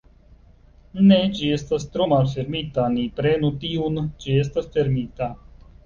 Ne, ĝi estas tro malfermita, ni prenu tiun, ĝi estas fermita.